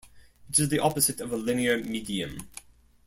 It is the opposite of a linear medium.